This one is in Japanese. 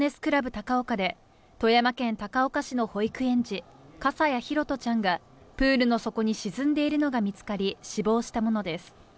高岡で富山県高岡市の保育園児、笠谷拓杜ちゃんが、プールの底に沈んでいるのが見つかり、死亡したものです。